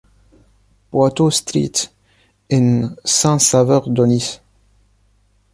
Poitou Street in Saint-Sauveur-d'Aunis